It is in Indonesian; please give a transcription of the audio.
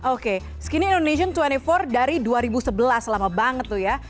oke skinny indonesian dua puluh empat dari dua ribu sebelas lama banget tuh ya